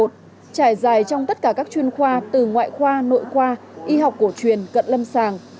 trải dài trong tất cả các chuyên khoa từ ngoại khoa nội khoa y học cổ truyền cận lâm sàng